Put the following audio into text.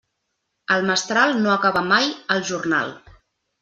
El mestral no acaba mai el jornal.